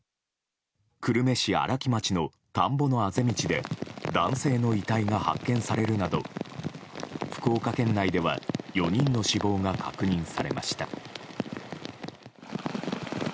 久留米市荒木町の田んぼのあぜ道で男性の遺体が発見されるなど福岡県内では４人の死亡が確認されました。